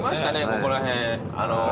ここら辺。